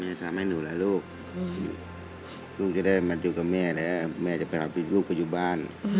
จะทำให้หนูและลูกลูกจะได้มาอยู่กับแม่แล้วแม่จะไปรับลูกไปอยู่บ้าน